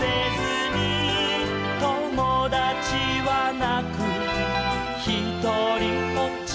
「ともだちはなくひとりぽっち」